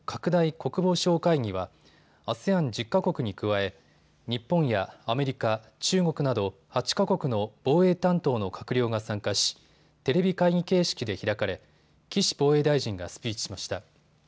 国防相会議はＡＳＥＡＮ１０か国に加え日本やアメリカ、中国など８か国の防衛担当の閣僚が参加し、テレビ会議形式で開かれ岸防衛大臣がスピーチしました。